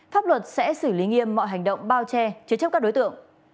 pháp luật sẽ xử lý nghiêm mọi hành động bao che chế chấp các đối tượng